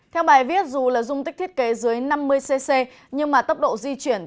theo bài viết dù là dung tích thiết kế dưới năm mươi cc nhưng mà tốc độ di chuyển